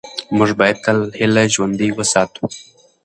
موږ باید تل هیله ژوندۍ وساتو